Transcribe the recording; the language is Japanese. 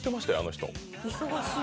忙しい。